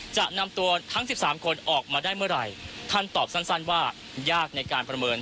จะนำตัวทั้ง๑๓คนออกมาได้เมื่อไหร่ท่านตอบสั้นว่ายากในการประเมิน